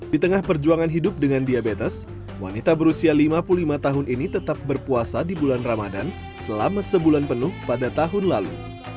di tengah perjuangan hidup dengan diabetes wanita berusia lima puluh lima tahun ini tetap berpuasa di bulan ramadan selama sebulan penuh pada tahun lalu